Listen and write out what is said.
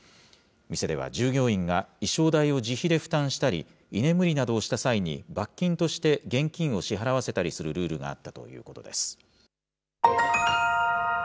店では従業員が衣装代を自費で負担したり、居眠りなどをした際に、罰金として、現金を支払わせたりするルールがあったということです。